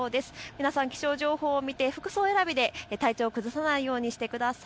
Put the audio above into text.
皆さん、気象情報を見て体調を崩さないようにしてください。